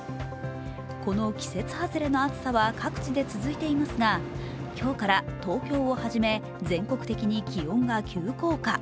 この季節はずれの暑さは各地で続いていますが、今日から東京をはじめ全国的に気温が急降下。